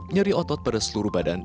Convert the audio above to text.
nyeri otot pada seluruh badan